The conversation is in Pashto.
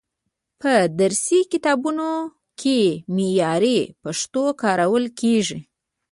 په درسي کتابونو کې معیاري پښتو کارول کیږي.